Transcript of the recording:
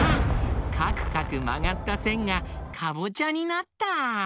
かくかくまがったせんがかぼちゃになった！